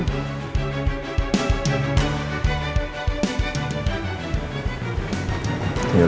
hidupnya saya sendiri